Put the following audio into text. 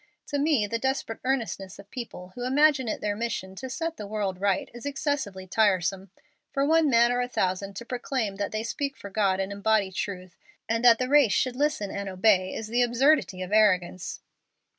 To me, the desperate earnestness of people who imagine it their mission to set the world right is excessively tiresome. For one man or a thousand to proclaim that they speak for God and embody truth, and that the race should listen and obey, is the absurdity of arrogance."